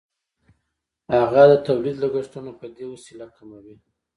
هغه د تولید لګښتونه په دې وسیله کموي